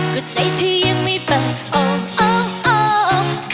ก็ใจที่ยังไม่เป็นออกออก